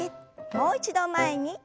もう一度前に。